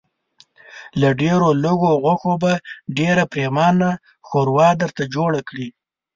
له ډېرو لږو غوښو به ډېره پرېمانه ښوروا درته جوړه کړي.